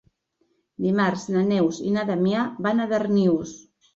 Dimarts na Neus i na Damià van a Darnius.